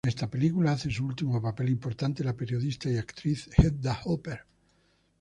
En esta película hace su último papel importante la periodista y actriz Hedda Hopper.